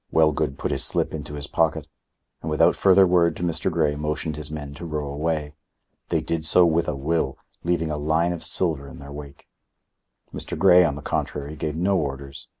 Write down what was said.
Wellgood put his slip into his pocket, and without further word to Mr. Grey motioned his men to row away. They did so with a will, leaving a line of silver in their wake. Mr. Grey, on the contrary, gave no orders.